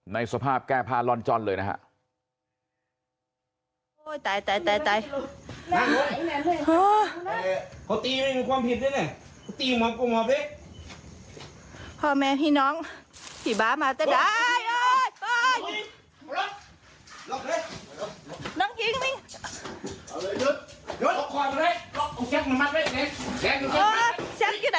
ในสภาพแก้ภารลอนจ็อลเลยนะคะ